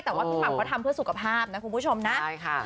แต่ว่าพี่หม่ำเขาทำเพื่อสุขภาพนะคุณผู้ชมนะใช่ค่ะ